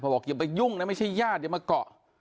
บอกอย่าไปยุ่งนะไม่ใช่ญาติอย่ามาเกาะ